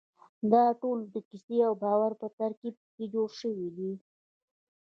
دا ټول د کیسې او باور په ترکیب جوړ شوي دي.